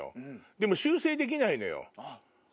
でも修正できないのよ。